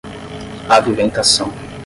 aviventação